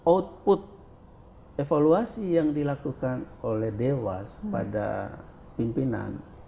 output evaluasi yang dilakukan oleh dewas pada pimpinan